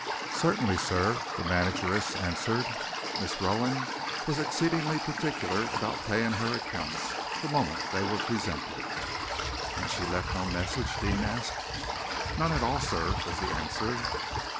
"Certainly, sir," the manageress answered. "Miss Rowan was exceedingly particular about paying her accounts the moment they were presented." "And she left no message?" Deane asked. "None at all, sir," was the answer.